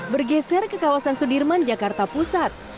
bergeser ke kawasan sudirman jakarta pusat